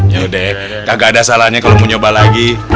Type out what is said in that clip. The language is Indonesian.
yaudah kagak ada salahnya kalau mau nyoba lagi